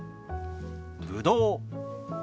ぶどう。